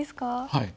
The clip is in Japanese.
はい。